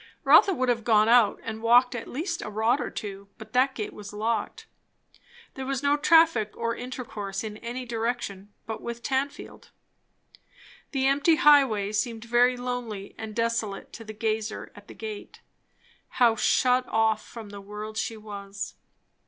Rotha would have gone out, and walked at least a rod or two, but that gate was locked. There was no traffic or intercourse in any direction but with Tanfield. The empty highway seemed very lonely and desolate to the gazer at the gate. How shut off from the world she was!